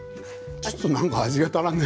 ちょっとなんか味が足らんね。